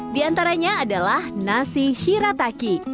di antaranya adalah nasi shirataki